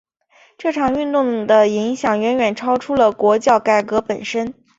这场运动的影响远远超出了国教改革本身。